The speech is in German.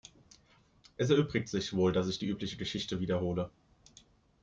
Es erübrigt sich wohl, dass ich die übliche Geschichte wiederhole.